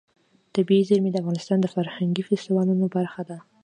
طبیعي زیرمې د افغانستان د فرهنګي فستیوالونو برخه ده.